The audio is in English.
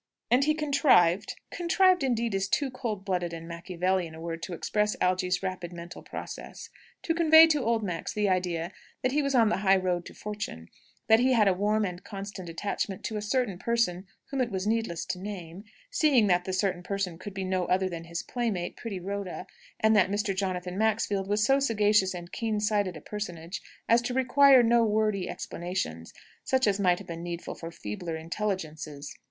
And he contrived "contrived," indeed, is too cold blooded and Machiavelian a word to express Algy's rapid mental process to convey to old Max the idea that he was on the high road to fortune; that he had a warm and constant attachment to a certain person whom it was needless to name, seeing that the certain person could be no other than his playmate, pretty Rhoda; and that Mr. Jonathan Maxfield was so sagacious and keen sighted a personage as to require no wordy explanations such as might have been needful for feebler intelligences.